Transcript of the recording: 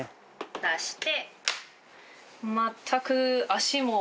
出して。